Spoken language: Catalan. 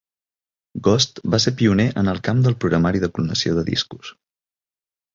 Ghost va ser pioner en el camp del programari de clonació de discos.